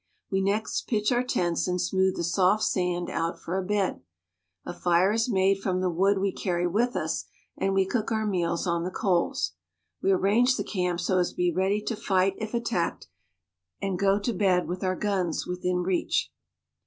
We next pitch our tents and smooth the soft sand out for a bed. A fire is made from the wood we carry with us, and we cook our meals on the coals. We arrange the camp so as to be ready to fight if attacked, and go to bed with our guns within reach.